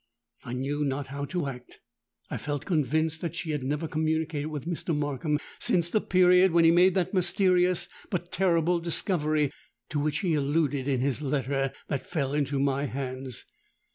I knew not how to act. I felt convinced that she had never communicated with Mr. Markham since the period when he made that mysterious but 'terrible discovery' to which he alluded in his letter that fell into my hands.